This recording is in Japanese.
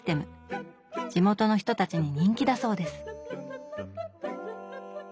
地元の人たちに人気だそうです。